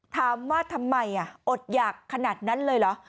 ถามว่าทำไมอดหยากขนาดนั้นเลยเหรอ